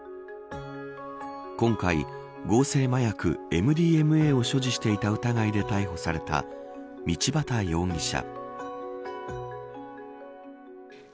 今回、合成麻薬МＤМＡを所持していた疑いで逮捕された道端容疑者。